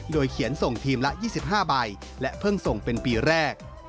โดยเขียนส่งทีมละ๒๕ใบและเพิ่งส่งเป็นปีแรก